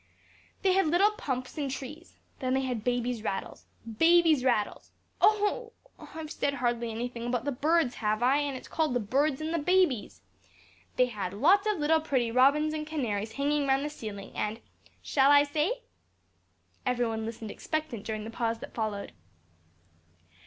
_ "They had little pumps and trees. Then they had babies' rattles. Babies' rattles. Oh! I've said hardly any thing about the birds, have I? an' it's called 'The Birds and the Babies!' They had lots of little pretty robins and canaries hanging round the ceiling, and shall I say?" Every one listened expectant during the pause that followed.